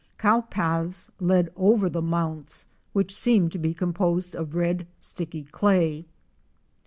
Cow paths led over the '"'mounts" which seemed to be composed of red, sticky clay.